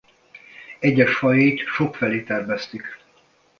Egyes fajait sokfelé termesztik.